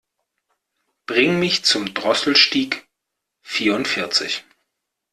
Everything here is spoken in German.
Bring mich zum Drosselstieg vierundvierzig.